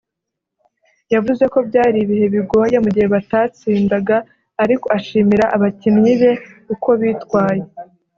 yavuze ko byari ibihe bigoye mu gihe batatsindaga ariko ashimira abakinnyi be uko bitwaye